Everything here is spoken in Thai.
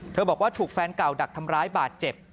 บอกว่าถูกแฟนเก่าดักทำร้ายบาดเจ็บ